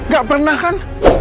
gak pernah kan